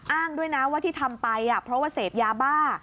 อ้างด้วยนะว่าที่ทำไปเพราะว่าเสพยาบ้า